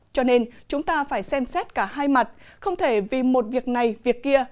cho nên chúng ta phải xem xét cả hai mặt không thể vì một việc này việc kia